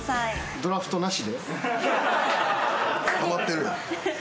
はまってるやん。